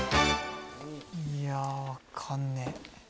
いや分かんねえ。